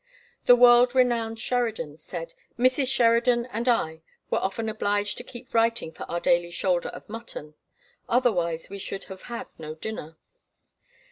The world renowned Sheridan said: "Mrs. Sheridan and I were often obliged to keep writing for our daily shoulder of mutton; otherwise we should have had no dinner."